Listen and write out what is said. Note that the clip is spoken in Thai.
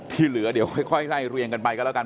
ที่เหลือเดี๋ยวค่อยไล่เรียงกันไปกันแล้วกัน